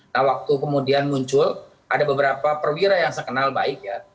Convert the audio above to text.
nah waktu kemudian muncul ada beberapa perwira yang saya kenal baik ya